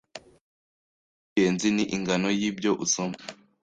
ariko icy’ingenzi ni ingano y’ibyo usoma